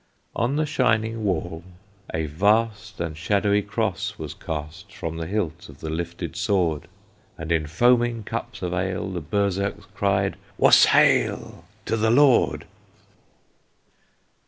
On the shining wall a vast And shadowy cross was cast From the hilt of the lifted sword, And in foaming cups of ale The Berserks drank "Was hael! To the Lord!"